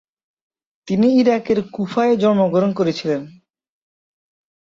তিনি ইরাকের কুফায় জন্মগ্রহণ করেছিলেন।